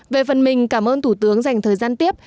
về phần mình cảm ơn thủ tướng dành thời gian tiếp